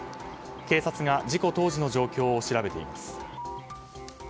警察が事故当時の状況を調べています。